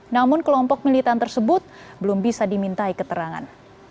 namun kelompok militan tersebut belum bisa dimintai keterangan